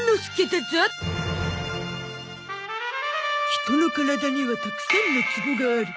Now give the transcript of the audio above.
人の体にはたくさんのツボがある。